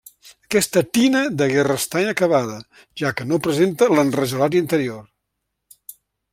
Aquesta tina degué restar inacabada, ja que no presenta l'enrajolat interior.